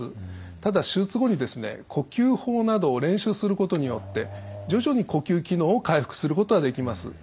ただ手術後にですね呼吸法などを練習することによって徐々に呼吸機能を回復することはできます。